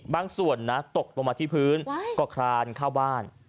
ส่วนตัวนะตกลงมาที่พื้นก็คลานเข้าบ้าน